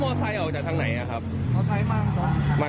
เป็นไปเล่นขึ้นเข้าไป